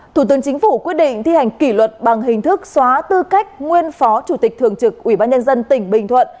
thủ tướng chính phủ quyết định thi hành kỷ luật bằng hình thức xóa tư cách nguyên phó chủ tịch thường trực ubnd tỉnh bình thuận